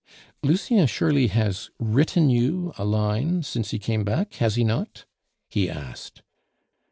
"Lucien surely has written you a line since he came back, has he not?" he asked.